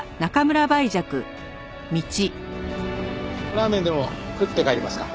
ラーメンでも食って帰りますか？